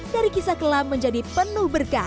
dari kisah kelam menjadi penuh berkah